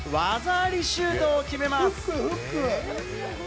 技ありシュートを決めます。